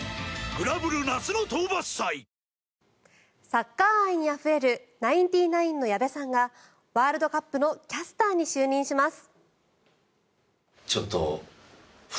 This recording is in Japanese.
サッカー愛にあふれるナインティナインの矢部さんがワールドカップのキャスターに就任します。